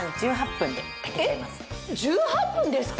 えっ１８分ですか！？